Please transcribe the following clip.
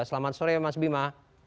selamat sore mas bima